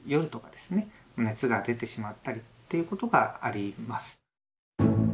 熱が出てしまったりということがあります。